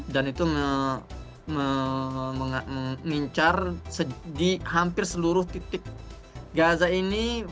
dan itu mengincar di hampir seluruh titik gaza ini